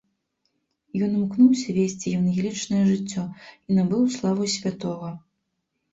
Ён імкнуўся весці евангелічнае жыццё і набыў славу святога.